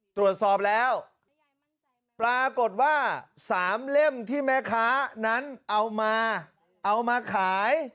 ตรวจสอบแล้วปรากฏว่า๓เล่มที่แม่ค้านั้นเอามาเอามาขาย